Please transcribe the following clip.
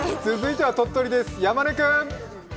続いては鳥取です、山根君！